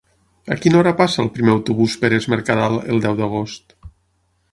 A quina hora passa el primer autobús per Es Mercadal el deu d'agost?